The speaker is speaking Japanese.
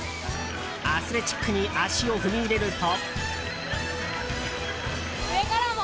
アスレチックに足を踏み入れると。